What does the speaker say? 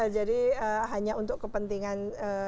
jadi hanya untuk kepentingan